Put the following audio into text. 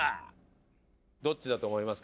どっちだと思いますか？